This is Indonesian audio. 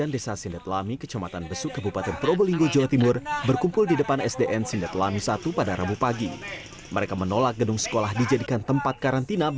tidak terkena tidak kebijakan